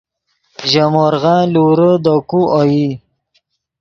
ژے مورغن لورے دے کو اوئی